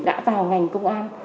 đã vào ngành công an